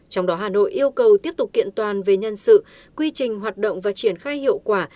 trong đó hà nội yêu cầu tiếp tục kiện toàn về nhân sự quy trình hoạt động và triển khai hiệu quả